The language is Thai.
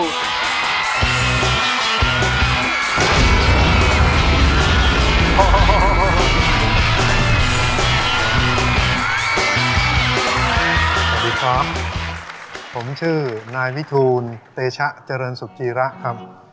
สวัสดีครับผมชื่อนายวิทูลเตชะเจริญสุกีระครับ